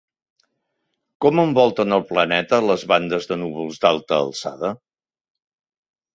Com envolten el planeta les bandes de núvols d'alta alçada?